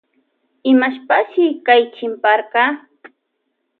Imashpashi kay chimparka.